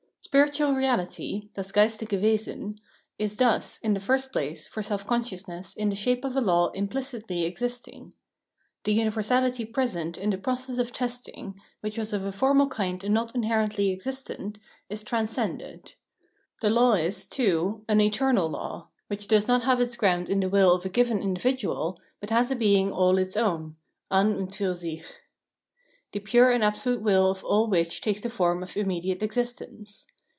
Spiritual reality {das geistige Wesen) is thus, in the first place, for self consciousness in the shape of a law implicitly existuig. The universahty present in the process of testing, which was of a formal kind and not inherently existent, is transcended. The law is, too, an eternal law, which does not have its ground in the will of a given individual, but has a being all its own {an und fiir sich), the pure and absolute will of all which takes the form of immediate existence.